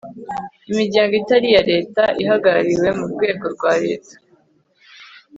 imiryango itari iya leta ihagarariwe mu rwego rwa leta